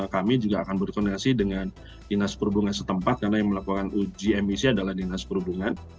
kami juga akan berkoordinasi dengan dinas perhubungan setempat karena yang melakukan uji emisi adalah dinas perhubungan